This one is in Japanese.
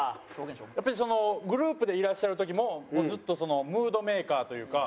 やっぱりそのグループでいらっしゃる時もずっとムードメーカーというか。